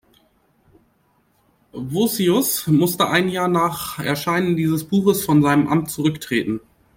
Vossius musste ein Jahr nach Erscheinen dieses Buches von seinem Amt zurücktreten.